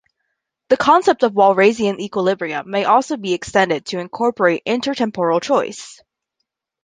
The concept of Walrasian Equilibrium may also be extended to incorporate intertemporal choice.